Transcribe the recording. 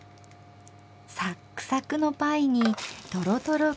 サックサクのパイにとろとろクリーム。